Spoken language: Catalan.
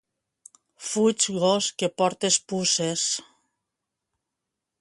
Fuig gos, que portes puces!